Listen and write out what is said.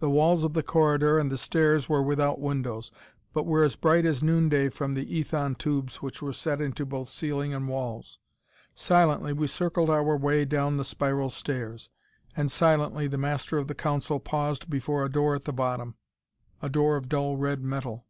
The walls of the corridor and the stairs were without windows, but were as bright as noonday from the ethon tubes which were set into both ceiling and walls. Silently we circled our way down the spiral stairs, and silently the Master of the Council paused before a door at the bottom a door of dull red metal.